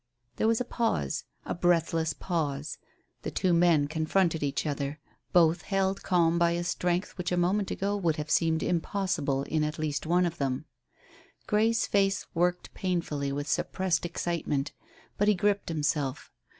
There was a pause; a breathless pause. The two men confronted each other, both held calm by a strength which a moment ago would have seemed impossible in at least one of them. Grey's face worked painfully with suppressed excitement, but he gripped himself.